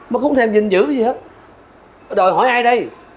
mà không thèm dình dữ gì hết đòi hỏi ai đây